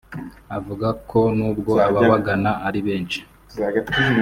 avuga ko n’ubwo ababagana ari benshi